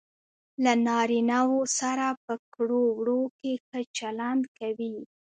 له نارینه وو سره په ګړو وړو کې ښه چلند کوي.